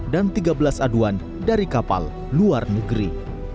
dan tiga belas aduan dari kapal luar negeri